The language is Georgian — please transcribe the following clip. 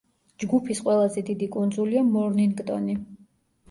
ჯგუფის ყველაზე დიდი კუნძულია მორნინგტონი.